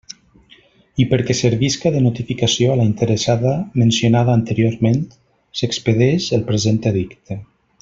I perquè servisca de notificació a la interessada mencionada anteriorment, s'expedeix el present edicte.